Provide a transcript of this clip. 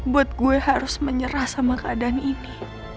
buat gue harus menyerah sama keadaan ini